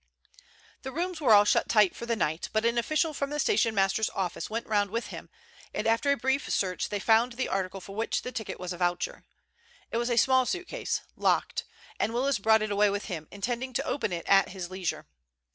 The rooms were all shut for the night, but an official from the stationmaster's office went round with him, and after a brief search they found the article for which the ticket was a voucher. It was a small suitcase, locked, and Willis brought it away with him, intending to open it at his leisure.